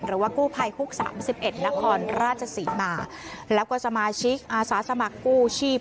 หรือว่ากู้ภัยฮุกสามสิบเอ็ดนครราชศรีมาแล้วก็สมาชิกอาสาสมัครกู้ชีพ